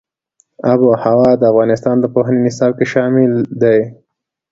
آب وهوا د افغانستان د پوهنې نصاب کې شامل دي.